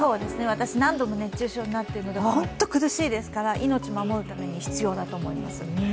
私何度も熱中症になっているので本当に苦しいですから、命を守るために必要だと思います。